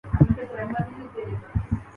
نوازشریف اب ایک نئے تعارف کے ساتھ سامنے آرہے ہیں۔